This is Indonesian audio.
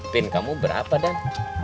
pin kamu berapa den